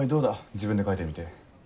自分で描いてみて。